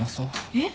えっ？